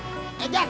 kam ces kak ale